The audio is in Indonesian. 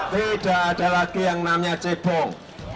tidak ada lagi yang namanya cebong